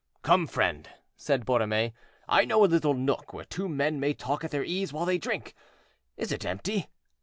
"Come, friend," said Borromée, "I know a little nook where two men may talk at their ease while they drink. Is it empty?"